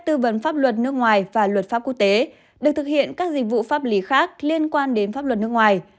tư vấn pháp luật nước ngoài và luật pháp quốc tế được thực hiện các dịch vụ pháp lý khác liên quan đến pháp luật nước ngoài